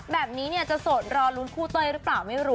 แบบนี้จะโสดรอรุ้นครูเตยหรือเปล่า